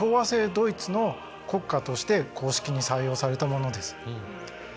ドイツの国歌として公式に採用されたものです。